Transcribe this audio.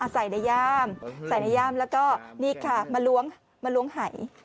ใส่ในย่ามใส่ในย่ามแล้วก็นี่ค่ะมาล้วงไห่